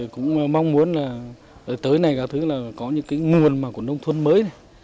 cũng mong muốn là tới nay có những nguồn của nông thuân mới